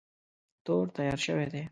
تور تیار شوی دی.